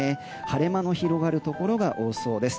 晴れ間の広がるところが多そうです。